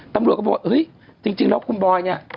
ตำรวจก็บอกว่าเฮ้ยจริงแล้วคุณบอยเนี่ย